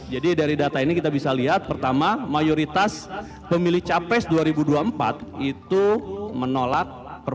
jadi dari data ini kita bisa lihat pertama mayoritas pemilih capes dua ribu dua puluh empat itu menolak